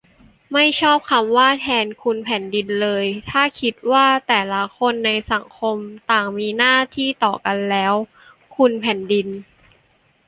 ไม่ชอบคำว่า 'แทนคุณแผ่นดิน' เลย ถ้าคิดว่าแต่ละคนในสังคมต่างมีหน้าที่ต่อกัน แล้ว 'คุณแผ่นดิน'